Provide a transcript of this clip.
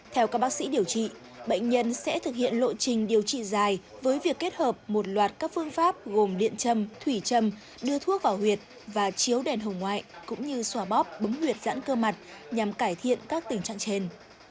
theo các bác sĩ điều trị bệnh nhân sẽ thực hiện lộ trình điều trị dài với việc kết hợp một loạt các phương pháp gồm điện châm thủy trâm đưa thuốc vào huyệt và chiếu đèn hồng ngoại cũng như xóa bóp đúng nguyệt dãn cơ mặt nhằm cải thiện các tình trạng trên